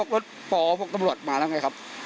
รถป๖ตำรวจมาแล้วไงครับ